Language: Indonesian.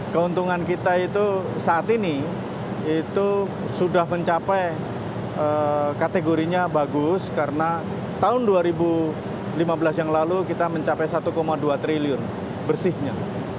keuntungan kita itu saat ini itu sudah mencapai kategorinya bagus karena tahun dua ribu lima belas yang lalu kita mencapai satu dua triliun bersihnya